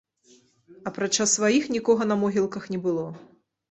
Апрача сваіх, нікога на могілках не было.